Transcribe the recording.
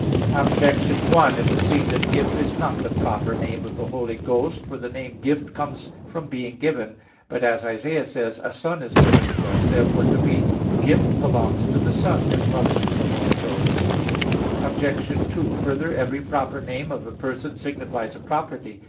Objection 1: It would seem that Gift is not the proper name of the Holy Ghost. For the name Gift comes from being given. But, as Isaiah says (9:16): "A Son is given to us." Therefore to be Gift belongs to the Son, as well as to the Holy Ghost. Obj. 2: Further, every proper name of a person signifies a property.